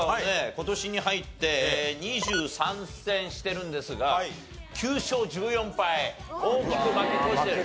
今年に入って２３戦しているんですが９勝１４敗大きく負け越してる。